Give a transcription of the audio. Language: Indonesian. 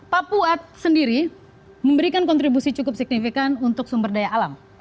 papua sendiri memberikan kontribusi cukup signifikan untuk sumber daya alam